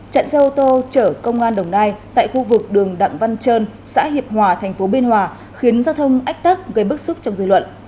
chặn xe ô tô chở công an đồng nai tại khu vực đường đặng văn trơn xã hiệp hòa thành phố biên hòa khiến giao thông ách tắc gây bức xúc trong dư luận